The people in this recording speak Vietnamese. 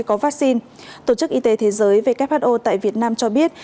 có vaccine tổ chức y tế thế giới who tại việt nam cho biết